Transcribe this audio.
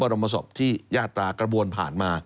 พระบรมศพที่หญ้ากระบวนผ่านมา